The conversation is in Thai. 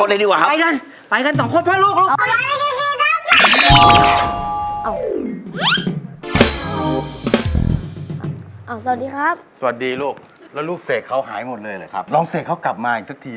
อ่อสวัสดีครับสวัสดีลูกสาหรีเขาหายหมดเลยครับลองเค้ากลับมาอีกสักที